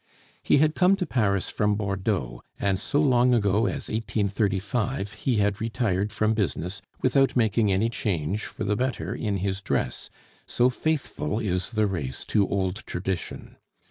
He had come to Paris from Bordeaux, and so long ago as 1835 he had retired from business without making any change for the better in his dress, so faithful is the race to old tradition.